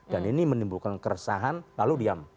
dan ini menimbulkan keresahan lalu diam